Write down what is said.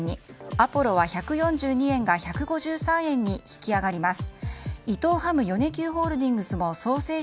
アポロは１４２円が１５３円に引き上がります。